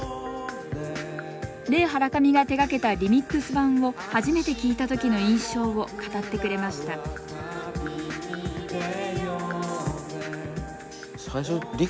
レイ・ハラカミが手がけたリミックス版を初めて聴いた時の印象を語ってくれましたくるりです。